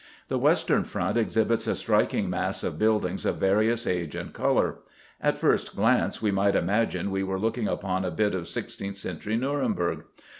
The western front exhibits a striking mass of buildings of various age and colour. At first glance we might imagine we were looking upon a bit of sixteenth century Nuremberg.